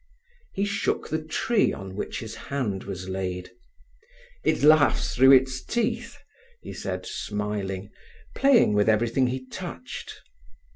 He shook the tree on which his hand was laid. "It laughs through its teeth," he said, smiling, playing with everything he touched.